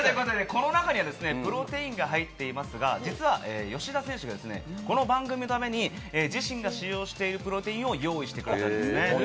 この中にはプロテインが入っていますが、実は吉田選手はこの番組のために自身が使用してるプロテインを用意してくれたんです。